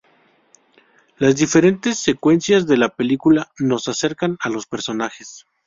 Las diferentes secuencias de la película nos acercan a los personajes.